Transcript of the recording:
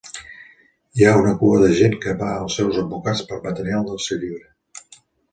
Hi ha una cua de gent que va als seus advocats per material del seu llibre.